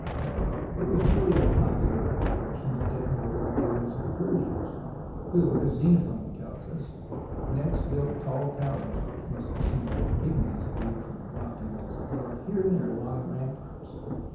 It was really a popular recreation to take note of the doings of the Persians, who, as Xenophon tells us, next built tall towers (which must have seemed like pygmies, viewed from the lofty walls above) here and there along their ramparts.